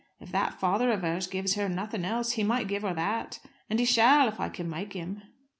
If that father of hers gives her nothing else he might give her that; and he shall, if I can make him."